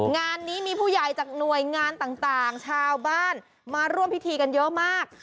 งานนี้มีผู้ใหญ่จากหน่วยงานต่างชาวบ้านมาร่วมพิธีกันเยอะมาก